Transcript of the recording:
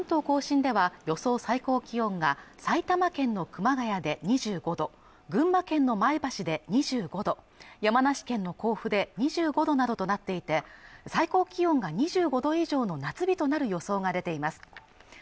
甲信では予想最高気温が埼玉県の熊谷で２５度群馬県の前橋で２５度山梨県の甲府で２５度などとなっていて最高気温が２５度以上の夏日となる予想が出ています